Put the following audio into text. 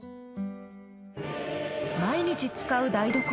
毎日使う台所。